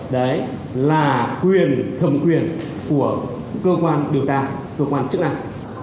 đấy là quyền thẩm quyền của cơ quan điều tra cơ quan chức năng